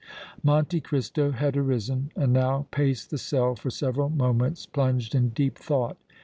Monte Cristo had arisen and now paced the cell for several moments plunged in deep thought.